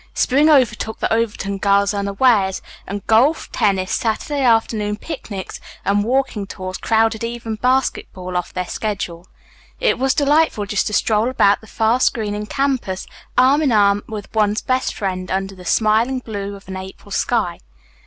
Spring overtook the Overton girls unawares, and golf, tennis, Saturday afternoon picnics and walking tours crowded even basketball off their schedule. It was delightful just to stroll about the fast greening campus arm in arm with one's best friend under the smiling blue of an April sky.